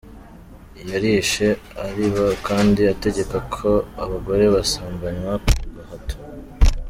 Yarishe, ariba kandi ategeka ko abagore basambanywa ku gahato.